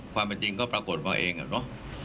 ความเป็นจริงก็ปรากฏมาเองอะเนาะ